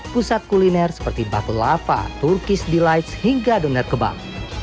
pusat kuliner seperti bakul lava turkish delights hingga doner kebab